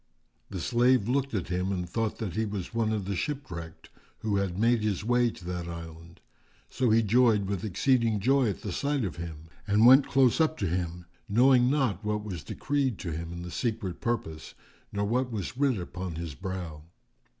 The slave looked at him and thought that he was one of the shipwrecked, who had made his way to that island; so he joyed with exceeding joy at sight of him and went close up to him, knowing not what was decreed to him in the Secret Purpose nor what was writ upon his brow.